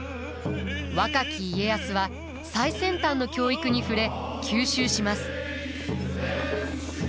若き家康は最先端の教育に触れ吸収します。